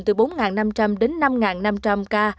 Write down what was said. từ bốn năm trăm linh đến năm năm trăm linh ca